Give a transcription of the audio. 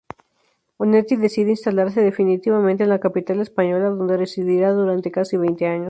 Onetti decide instalarse definitivamente en la capital española, donde residirá durante casi veinte años.